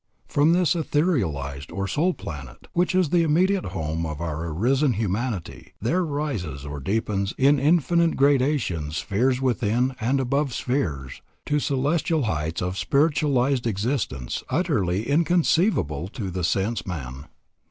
From this etherealized or soul planet, which is the immediate home of our arisen humanity, there rises or deepens in infinite gradations spheres within and above spheres, to celestial heights of spiritualized existence utterly inconceivable to the sense man.